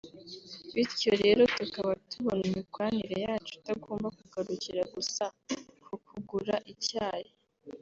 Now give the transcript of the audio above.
Bityo rero tukaba tubona imikoranire yacu itagomba kugarukira gusa ku kugura icyayi